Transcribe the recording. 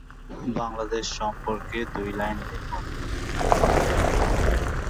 এই গবেষণালব্ধ ফলাফল এবং অভিজ্ঞতা প্রকল্পটির পরবর্তী উন্নয়নে অন্তর্ভুক্ত করা হবে।